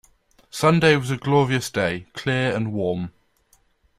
Sunday was a glorious day, clear and warm.